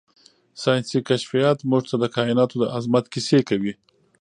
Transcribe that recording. ساینسي کشفیات موږ ته د کائناتو د عظمت کیسې کوي.